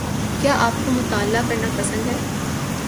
کیا آپ کو مطالعہ کرنا پسند ہے